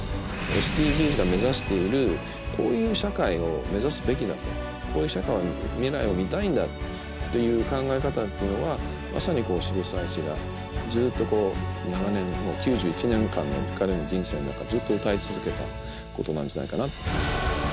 ＳＤＧｓがめざしているこういう社会をめざすべきだとこういう社会を未来を見たいんだっていう考え方というのはまさに渋沢栄一がずっとこう長年９１年間の彼の人生の中ずっとうたい続けたことなんじゃないかな。